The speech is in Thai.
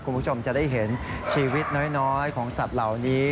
คุณผู้ชมจะได้เห็นชีวิตน้อยของสัตว์เหล่านี้